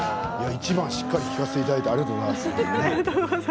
１番をしっかり聴かせていただいてありがとうございます。